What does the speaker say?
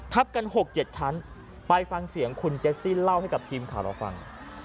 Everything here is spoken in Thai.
กัน๖๗ชั้นไปฟังเสียงคุณเจสซี่เล่าให้กับทีมข่าวเราฟัง